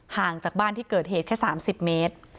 ห่างจากบ้านที่เกิดเหตุแค่๓๐เมตร